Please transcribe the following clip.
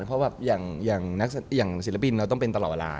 เพราะแบบอย่างศิลปินเราต้องเป็นตลอดเวลา